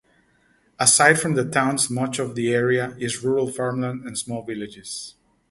Aside from the towns much of the area is rural farmland and small villages.